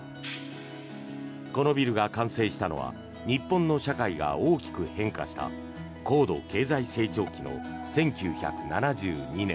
このビルが完成したのは日本の社会が大きく変化した高度経済成長期の１９７２年。